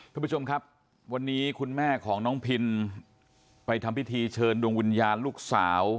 คุณผู้ชมครับวันนี้คุณแม่ของน้องพินไปทำพิธีเชิญดวงวิญญาณลูกสาว